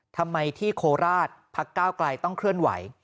ทำไมที่โคราชพักก้าวไกลต้องเคลื่อนไหว